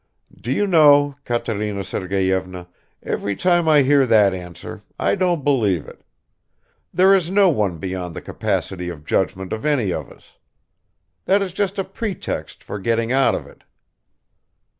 "Do you know, Katerina Sergeyevna, every time I hear that answer, I don't believe it ... there is no one beyond the capacity of judgment of any of us! That is just a pretext for getting out of it."